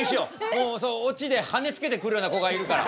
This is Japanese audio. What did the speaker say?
もうオチで羽つけてくるような子がいるから。